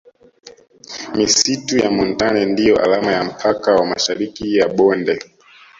Misitu ya montane ndiyo alama ya mpaka wa Mashariki ya bonde